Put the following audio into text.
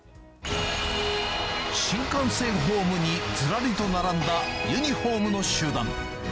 新幹線ホームにずらりと並んだユニホームの集団。